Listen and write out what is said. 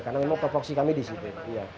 karena memang produksi kami di situ